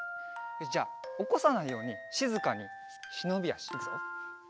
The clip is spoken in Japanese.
よしじゃあおこさないようにしずかにしのびあしいくぞ。